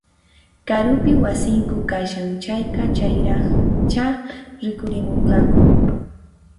Karupin wasinku kashan, chayqa chayraqchá rikurimunqaku